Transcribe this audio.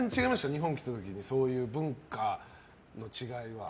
日本に来た時そういう文化の違いは。